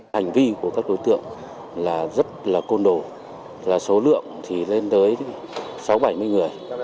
hành vi của các đối tượng là rất là côn đồ là số lượng thì lên tới sáu bảy mươi người